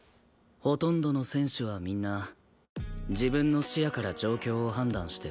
ほとんどの選手はみんな自分の視野から状況を判断してプレーしている。